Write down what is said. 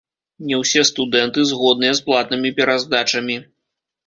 Не ўсе студэнты згодныя з платнымі пераздачамі.